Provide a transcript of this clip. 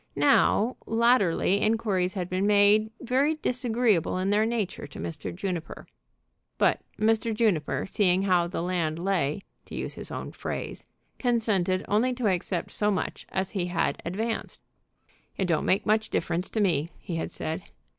Now, latterly inquiries had been made very disagreeable in their nature to Mr. Juniper; but Mr. Juniper, seeing how the the land lay, to use his own phrase, consented only to accept so much as he had advanced. "It don't make much difference to me," he had said.